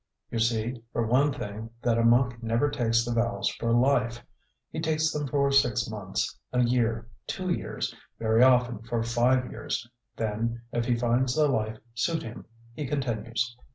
You see, for one thing, that a monk never takes the vows for life. He takes them for six months, a year, two years, very often for five years; then, if he finds the life suit him, he continues.